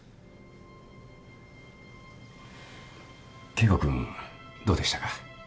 圭吾君どうでしたか？